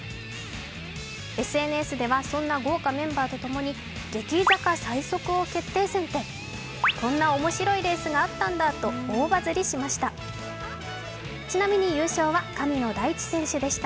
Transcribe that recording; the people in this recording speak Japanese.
ＳＮＳではそんな豪華メンバーと共に、激坂最速王決定戦って、こんな面白いレースがあったんだと大バズりしました。